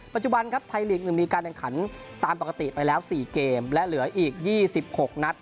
ปัจจุบันครับไทยลีก๑มีการแข่งขันตามปกติไปแล้ว๔เกมและเหลืออีก๒๖นัด